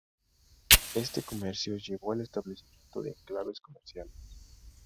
Este comercio llevó al establecimiento de enclaves comerciales.